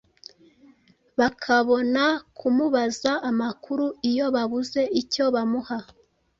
bakabona kumubaza amakuru Iyo babuze icyo bamuha